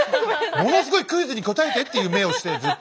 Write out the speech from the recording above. ものすごい「クイズに答えて！」っていう目をしてずっと。